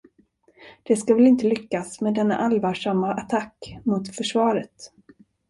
Det ska väl inte lyckas med denna allvarsamma attack mot försvaret?